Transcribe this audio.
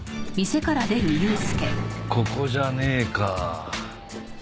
ここじゃねえか。